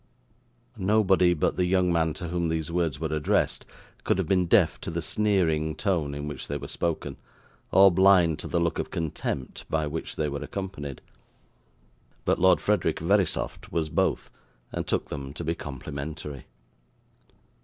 Nobody but the young man to whom these words were addressed could have been deaf to the sneering tone in which they were spoken, or blind to the look of contempt by which they were accompanied. But Lord Frederick Verisopht was both, and took them to be complimentary.